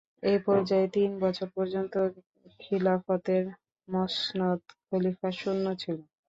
এ পর্যায়ে তিন বছর পর্যন্ত খিলাফতের মসনদ খলীফা-শূন্য ছিল।